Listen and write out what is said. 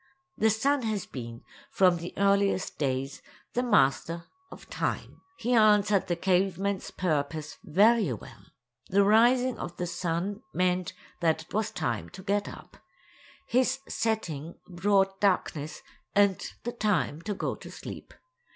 The sun has been, from the earliest days, the master of Time. He answered the caveman's purpose very well. The rising of the sun meant that it was time to get up; his setting brought darkness and the time to go to sleep.